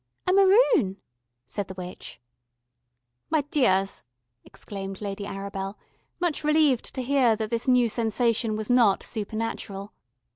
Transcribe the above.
"A maroon," said the witch. "My dears," exclaimed Lady Arabel, much relieved to hear that this new sensation was not supernatural.